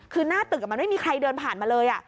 คือหน้าตึกมันไม่มีใครเดินผ่านมาเลย